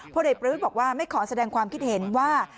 เด็กประวิทย์บอกว่าไม่ขอแสดงความคิดเห็นว่า